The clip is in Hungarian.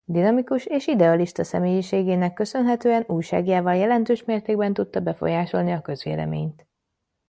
Dinamikus és idealista személyiségének köszönhetően újságjával jelentős mértékben tudta befolyásolni a közvéleményt.